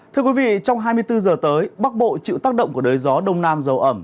thưa quý vị trong hai mươi bốn giờ tới bắc bộ chịu tác động của đới gió đông nam dầu ẩm